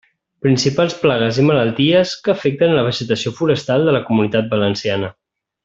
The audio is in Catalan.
Principals plagues i malalties que afecten la vegetació forestal de la Comunitat Valenciana.